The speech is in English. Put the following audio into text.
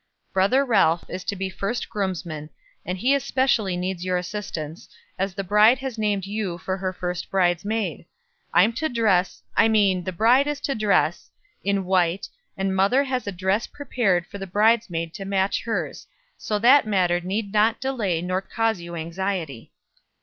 Brother Ralph is to be first groomsman; and he especially needs your assistance, as the bride has named you for her first bridesmaid. I'm to dress I mean the bride is to dress in white, and mother has a dress prepared for the bridesmaid to match hers; so that matter need not delay or cause you anxiety.